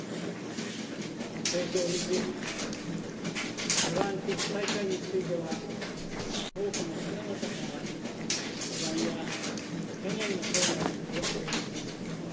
東京オリンピック・パラリンピック大会については、多くの方々から不安や懸念の声があることは承知してます。